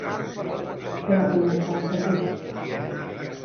Què va començar a servir?